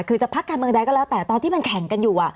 คือจะพักการเมืองใดก็แล้วแต่ตอนที่มันแข่งกันอยู่